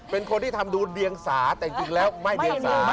เป็นคนที่ทำดูเดียงสาแต่จริงแล้วไม่เดียงสา